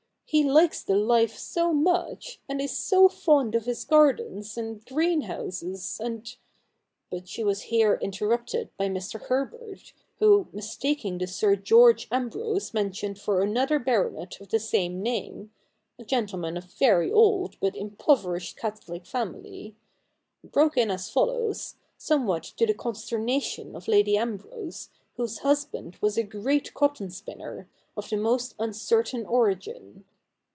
' He likes the life so much, and is so fond of his gardens, and greenhouses, and ' But she was here interrupted by Mr. Herbert, who, mistaking the Sir George Ambrose mentioned for another Baronet of the same name — a gentleman of a very old but impoverished Catholic family — broke in as follows, somewhat to the consternation of Lady Ambrose, whose 30 THE NEW REPUBLIC [bk. i husband was a great cotton spinner, of the most uncer tain origin.